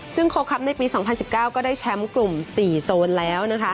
ซึ่งโคครับในปี๒๐๑๙ก็ได้แชมป์กลุ่ม๔โซนแล้วนะคะ